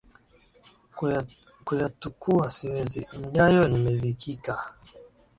Kuyatukua siwezi, mjayo nimedhikika